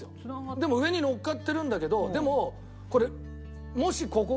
でも上にのっかってるんだけどでもこれもしここがね